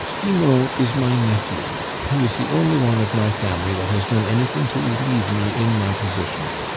"Finot is my nephew; he is the only one of my family that has done anything to relieve me in my position.